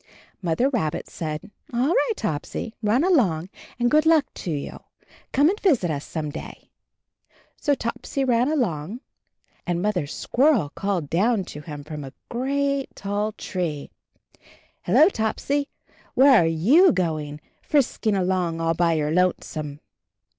Mother Rabbit said, "All right, Topsy, run along, and good luck to you. Come and visit us some day." So Topsy ran along, and Mother Squirrel called down to him from a great tall tree, "Hello, Topsy, where are you going, frisk ing along all by your lonesome?"